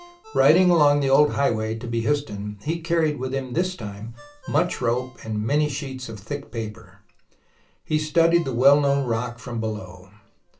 Riding along the old highway to Behistun, he carried with him this time much rope and many sheets of thick paper. He studied the well known rock from below.